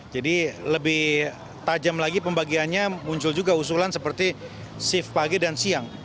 jadi lebih tajam lagi pembagiannya muncul juga usulan seperti shift pagi dan siang